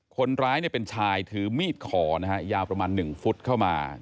คนร้ายเป็นชายถือมีดขอนะฮะยาวประมาณ๑ฟุตเข้ามา